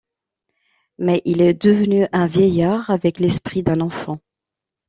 Mais il est devenu un vieillard avec l'esprit d'un enfant.